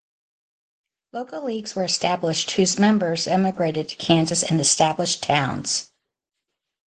Local leagues were established whose members emigrated to Kansas and established towns.